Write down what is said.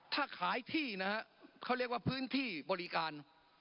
ถ้าขายที่นะฮะเขาเรียกว่าพื้นที่บริการ